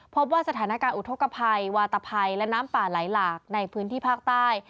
พบว่าสถานการณ์อุทธกภัยวาตภัยและน้ำป่าไหลหลากในพื้นที่ภาคใต้